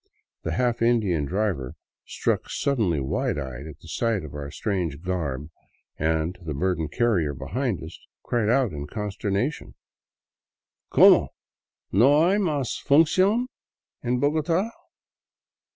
The half Indian driver, struck suddenly wide eyed at sight of our strange garb and the burdened carrier behind us, cried out in consternation :" Como ! No hay mas f uncion en Bogota ?